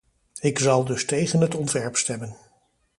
Ik zal dus tegen het ontwerp stemmen.